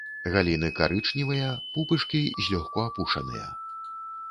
Галіны карычневыя, пупышкі злёгку апушаныя.